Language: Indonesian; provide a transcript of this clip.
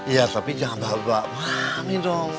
iya tapi jangan bawa bawa mami dong